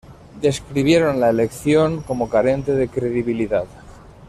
Describieron la elección como carente de credibilidad.